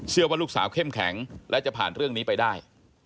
ว่าลูกสาวเข้มแข็งและจะผ่านเรื่องนี้ไปได้